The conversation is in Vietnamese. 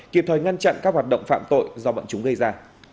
kịp thời ngăn chặn các hoạt động phạm tội do bọn chúng gây ra